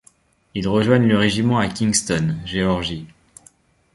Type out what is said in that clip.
Ils rejoignent le régiment à Kingston, Géorgie.